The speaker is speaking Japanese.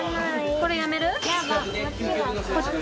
これやめる？